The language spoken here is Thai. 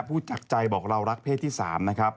พูดจากใจบอกเรารักเพศที่๓นะครับ